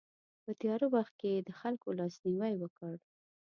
په تیاره وخت کې یې د خلکو لاسنیوی وکړ.